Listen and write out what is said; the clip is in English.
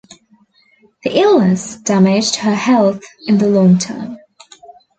The illness damaged her health in the long term.